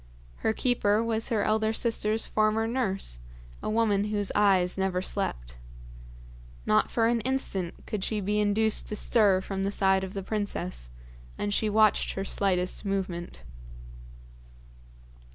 Her keeper was her elder sister's former nurse, a woman whose eyes never slept. Not for an instant could she be induced to stir from the side of the princess, and she watched her slightest movement.